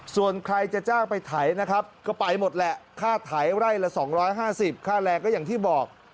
ส่วนใครจะจ้างไปไถนะครับก็ไปหมดแหละค่าไถไร่ละ๒๕๐ค่าแรงก็อย่างที่บอก